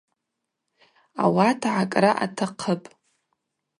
Ауат гӏакӏра атахъыпӏ.